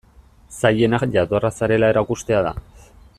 Zailena jatorra zarela erakustea da.